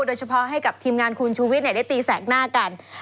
โดยเฉพาะให้กับทีมงานคุณชูวิทย์ได้ตีแสกหน้ากัน